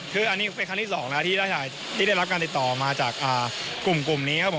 คืออันนี้เป็นครั้งที่๒แล้วที่ได้รับการติดต่อมาจากกลุ่มนี้ครับผม